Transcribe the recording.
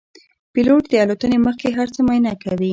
پیلوټ د الوتنې مخکې هر څه معاینه کوي.